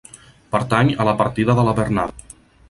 Pertany a la partida de la Bernada.